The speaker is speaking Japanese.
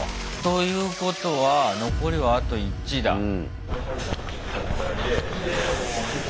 ということは残りはあと１だ。